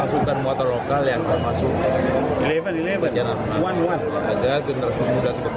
masukan motor lokal yang termasuk